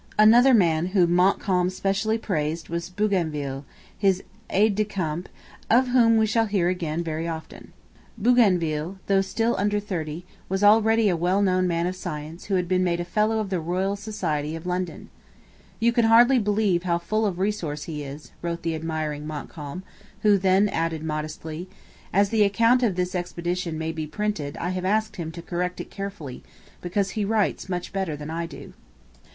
Another man whom Montcalm specially praised was Bougainville, his aide de camp, of whom we shall hear again very often. Bougainville, though still under thirty, was already a well known man of science who had been made a Fellow of the Royal Society of London. 'You could hardly believe how full of resource he is,' wrote the admiring Montcalm, who then added modestly: 'As the account of this expedition may be printed I have asked him to correct it carefully, because he writes much better than I do.'